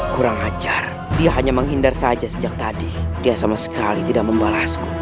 kurang hajar dia hanya menghindar saja sejak tadi dia sama sekali tidak membalasku